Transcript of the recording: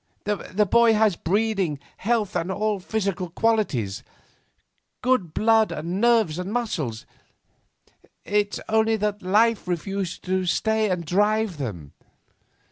The boy has breeding, health, and all the physical qualities good blood and nerves and muscles. It's only that life refuses to stay and drive them.